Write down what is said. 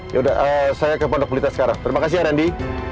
yaudah saya ke pondok pulita sekarang terima kasih ya randy